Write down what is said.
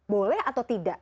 boleh atau tidak